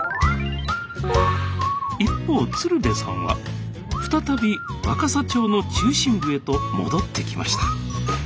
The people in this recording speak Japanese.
一方鶴瓶さんは再び若桜町の中心部へと戻ってきました